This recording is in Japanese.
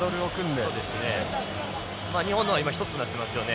まあ日本のは今一つになってますよね。